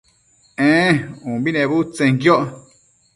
ee umbi nebudtsenquioc